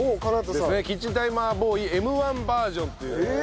キッチンタイマーボーイＭ−１バージョンという。